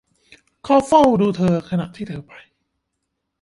เขาเฝ้าดูเธอขณะที่เธอไป